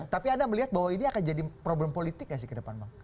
tapi anda melihat bahwa ini akan jadi problem politik gak sih ke depan bang